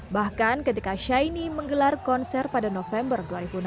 bahkan ketika shaini menggelar konser pada november dua ribu enam belas